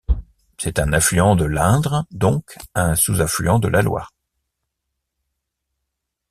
C'est un affluent de l'Indre donc un sous-affluent de la Loire.